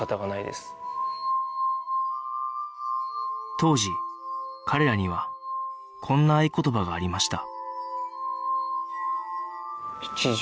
当時彼らにはこんな合言葉がありました